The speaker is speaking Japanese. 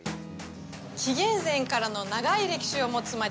紀元前からの長い歴史を持つ街